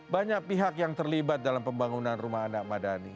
banyak pihak yang terlibat dalam pembangunan rumah anak madani